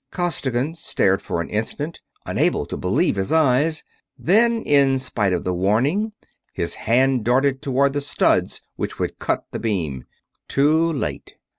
Costigan stared for an instant, unable to believe his eyes; then, in spite of the warning, his hand darted toward the studs which would cut the beam. Too late.